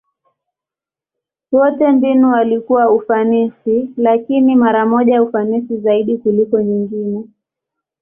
Wote mbinu walikuwa ufanisi, lakini mara moja ufanisi zaidi kuliko nyingine.